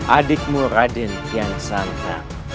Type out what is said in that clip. adikmu radin yang santan